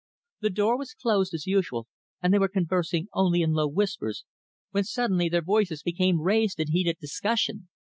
The door was closed, as usual, and they were conversing only in low whispers, when suddenly their voices became raised in heated discussion.